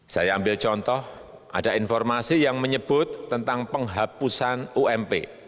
saya ambil contoh ada informasi yang menyebut tentang penghapusan ump